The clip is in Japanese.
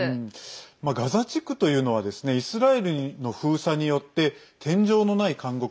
ガザ地区というのはイスラエルの封鎖によって「天井のない監獄」